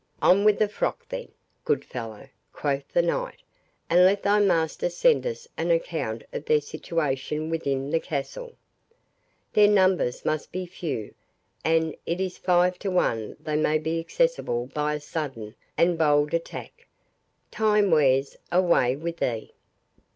"On with the frock, then, good fellow," quoth the Knight, "and let thy master send us an account of their situation within the castle. Their numbers must be few, and it is five to one they may be accessible by a sudden and bold attack. Time wears—away with thee."